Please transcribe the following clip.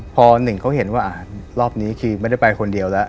พอหนึ่งเขาเห็นว่ารอบนี้คือไม่ได้ไปคนเดียวแล้ว